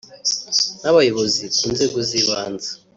n’Abayobozi ku nzego z’ibanze